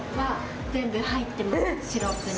シロップに。